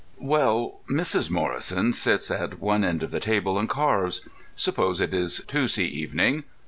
Well, Mrs. Morrison sits at one end of the table and carves. Suppose it is Tuesday evening.